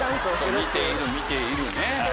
見ている見ているね。